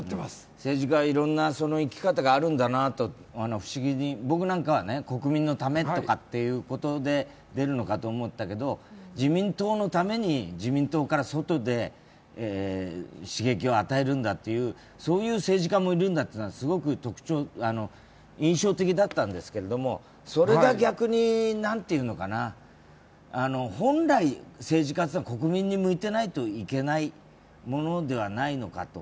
政治家はいろんな生き方があるんだなと不思議に、僕なんかは国民のためということで出るのかと思ったけど自民党のために自民党に外で刺激を与えるんだって、そういう政治家もいるんだってすごく印象的だったんですけれども、それが逆に本来政治家というのは国民に向いていなきゃいけないものではないかと。